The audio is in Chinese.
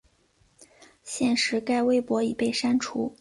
现时该微博已被删除。